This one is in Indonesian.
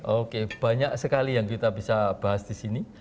oke banyak sekali yang kita bisa bahas di sini